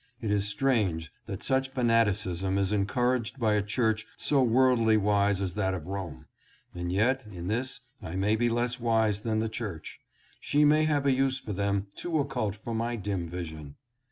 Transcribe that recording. It is strange that such fanaticism is encour aged by a church so worldly wise as that of Rome ; and yet in this I may be less wise than the church. She may have a use for them too occult for my dim vision.